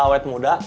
kita bisa memandilah